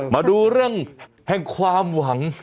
มาดูเรื่องแห่งความหวัง